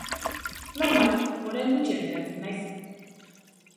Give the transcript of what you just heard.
Normal, orain gutxi ateratzen naiz.